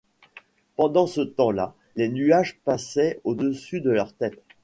Pendant ce temps-là les nuages passaient au-dessus de leur tête.